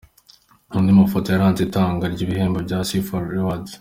Andi mafoto yaranze itangwa ry’ibihembo bya Sifa Rewards:.